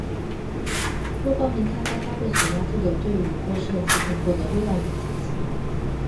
若报名参加单位所押注的队伍获胜即可获得六万元奖金。